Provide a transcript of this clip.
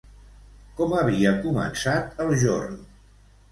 Com havia començat el jorn?